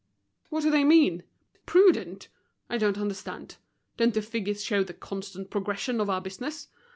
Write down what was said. "What do they mean? Prudent! I don't understand. Don't the figures show the constant progression of our business?